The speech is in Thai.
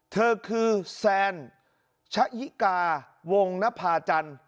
เธอคือแซนชะยิกาวงนภาจันทร์